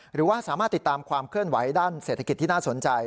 หรือว่าสามารถติดตามความเคลื่อนไหวด้านเศรษฐกิจที่น่าสนใจ